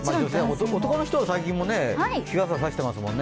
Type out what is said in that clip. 男の人も最近は日傘さしてますもんね。